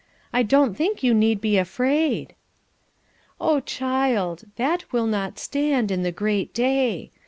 "I don't think you need be afraid." "O child, that will not stand in the great day.